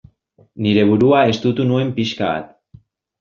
Nire burua estutu nuen pixka bat.